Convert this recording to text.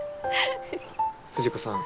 藤子さん。